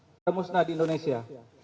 pki akan musnah di indonesia